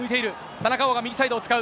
田中碧が右サイドを使う。